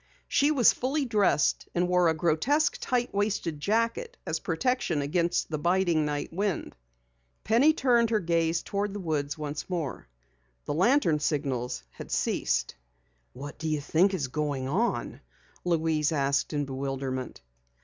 She was fully dressed and wore a grotesque tight waisted jacket as protection against the biting night wind. Penny turned her gaze toward the woods once more. The lantern signals had ceased. "What do you think is going on?" Louise asked in bewilderment.